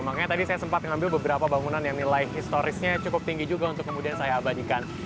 makanya tadi saya sempat ngambil beberapa bangunan yang nilai historisnya cukup tinggi juga untuk kemudian saya abadikan